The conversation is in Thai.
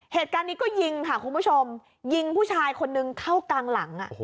เหตุการณ์นี้ก็ยิงค่ะคุณผู้ชมยิงผู้ชายคนนึงเข้ากลางหลัง